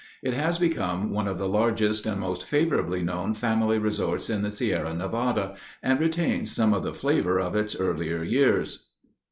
It has become one of the largest and most favorably known family resorts in the Sierra Nevada and retains some of the flavor of its earlier years.